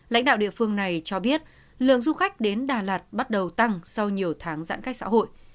lãnh đạo địa phương này cho biết lượng du khách đến đà lạt bắt đầu tăng sau nhiều tháng giãn cách xã hội